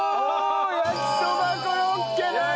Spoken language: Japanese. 焼きそばコロッケです！